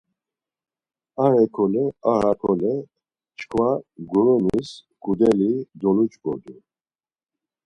Ar hekole ar hakole çkva gurunis ǩudeli doluç̌ǩodu.